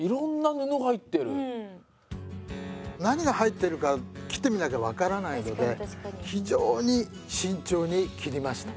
何が入っているか切ってみなきゃ分からないので非常に慎重に切りました。